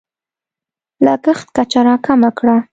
لګښت کچه راکمه کړه.